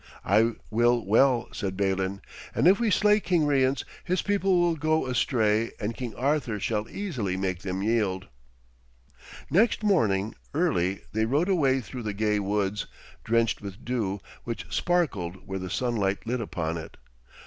'I will well,' said Balin, 'and if we slay King Rience, his people will go astray and King Arthur shall easily make them yield.' Next morning early they rode away through the gay woods, drenched with dew, which sparkled where the sunlight lit upon it.